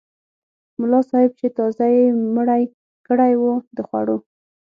ملا صاحب چې تازه یې مړۍ کړې وه د خوړو.